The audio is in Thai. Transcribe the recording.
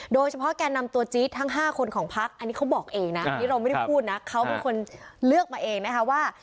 โดยเฉพาะแก่นำตัวจี๊ดทั้ง๕คนของพักอันนี้เขาบอกเองนะอันนี้เราไม่ได้พูดนะเขาเป็นคนเลือกมาเองนะคะว่า